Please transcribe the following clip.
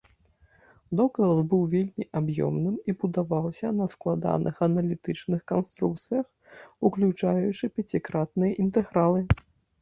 Доказ быў вельмі аб'ёмным і будаваўся на складаных аналітычных канструкцыях, уключаючы пяцікратныя інтэгралы.